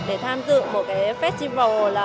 để tham dự một cái festival